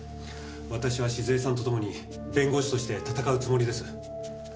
私は静江さんと共に弁護士として闘うつもりです。